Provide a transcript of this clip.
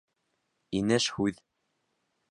Инеш һүҙ